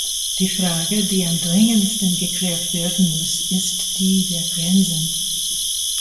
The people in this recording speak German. Die Frage, die am dringendsten geklärt werden muss, ist die der Grenzen.